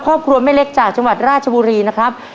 ครอบครัวแม่เล็กจากจังหวัดราชบุรีนะครับ